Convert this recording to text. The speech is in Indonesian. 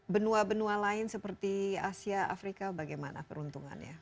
benua benua lain seperti asia afrika bagaimana peruntungannya